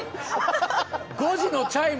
５時のチャイム！